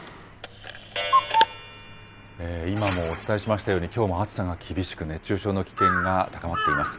今もお伝えしましたように、きょうも暑さが厳しく、熱中症の危険が高まっています。